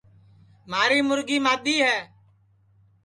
مھاری مُرگی مادؔی ہے